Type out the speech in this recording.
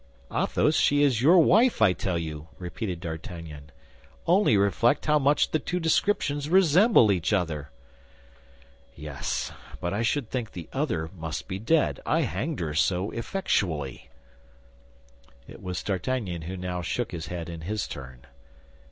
"Athos, she is your wife, I tell you," repeated D'Artagnan; "only reflect how much the two descriptions resemble each other." "Yes; but I should think the other must be dead, I hanged her so effectually." It was D'Artagnan who now shook his head in his turn.